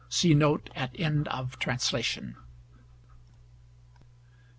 See note at end of Translation.